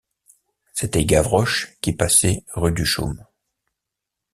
C’était Gavroche qui passait rue du Chaume.